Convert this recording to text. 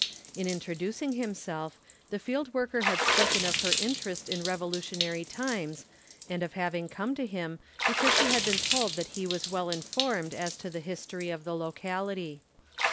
In introduc ing herself, the field worker had spoken of her interest in Revolutionary times and of having come to him be cause she had been told that he was well informed as to the history of the locality.